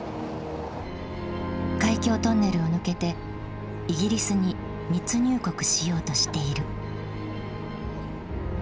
海峡トンネルを抜けてイギリスに密入国しようとしている。